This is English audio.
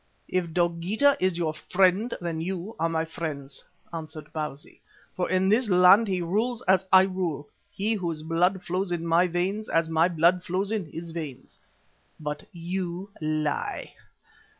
"If Dogeetah is your friend, then you are my friends," answered Bausi, "for in this land he rules as I rule, he whose blood flows in my veins, as my blood flows in his veins. But you lie.